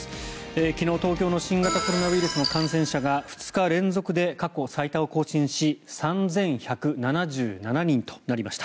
昨日、東京の新型コロナウイルスの感染者が２日連続で過去最多を更新し３１７７人となりました。